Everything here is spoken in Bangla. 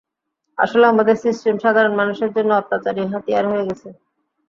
আসলে, আমাদের সিস্টেম সাধারণ মানুষের জন্য অত্যাচারী হাতিয়ার হয়ে গেছে।